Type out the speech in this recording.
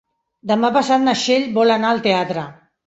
Demà passat na Txell vol anar al teatre.